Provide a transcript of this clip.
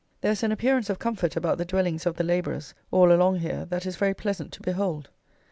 There is an appearance of comfort about the dwellings of the labourers all along here that is very pleasant to behold.